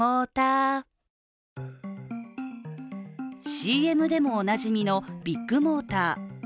ＣＭでもおなじみのビッグモーター。